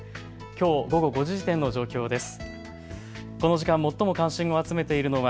きょう午後５時時点の状況です。